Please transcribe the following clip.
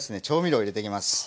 調味料を入れていきます。